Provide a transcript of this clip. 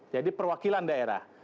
jadi perwakilan daerah